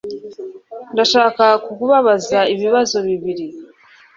Ndashaka kukubaza ibibazo bibiri.